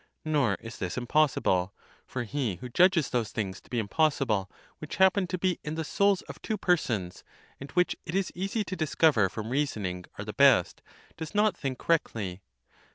Nor is this impossible. For he who judges those things to be impossible, which happen to be in the souls of two persons, and which it is easy to discover from reasoning are the best, does not think correctly.